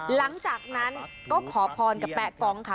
หลังจากนั้นก็ขอพรกับแป๊กองค่ะ